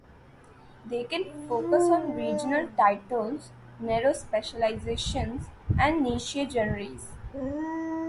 They can focus on regional titles, narrow specializations and niche genres.